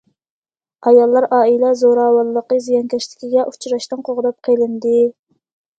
ئاياللار ئائىلە زوراۋانلىقى زىيانكەشلىكىگە ئۇچراشتىن قوغداپ قېلىندى.